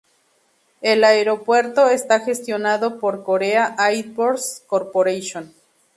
El aeropuerto está gestionado por Korea Airports Corporation.